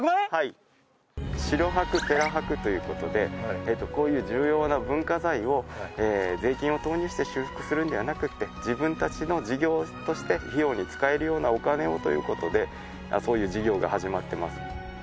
城泊・寺泊ということでこういう重要な文化財を税金を投入して修復するんではなくて自分たちの事業として費用に使えるようなお金をということでそういう事業が始まってます。